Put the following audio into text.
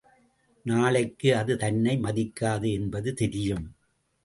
நாளைக்கு அது தன்னை மதிக்காது என்பது தெரியும்.